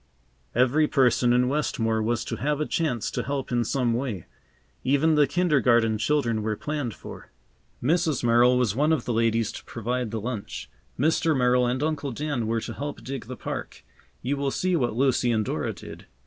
Every person in Westmore was to have a chance to help in some way. Even the kindergarten children were planned for. Mrs. Merrill was one of the ladies to provide the lunch. Mr. Merrill and Uncle Dan were to help dig the park. You will see what Lucy and Dora did.